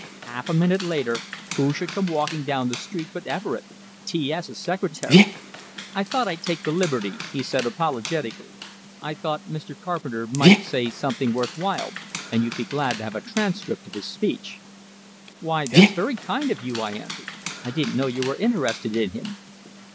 Half a minute later, who should come walking down the street but Everett, T S's secretary! "I thought I'd take the liberty," he said, apologetically. "I thought Mr. Carpenter might say something worth while, and you'd be glad to have a transcript of his speech." "Why, that's very kind of you," I answered, "I didn't know you were interested in him."